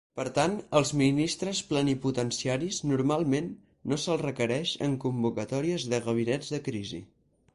Per tant, els ministres plenipotenciaris normalment no se'ls requereix en convocatòries de gabinets de crisi.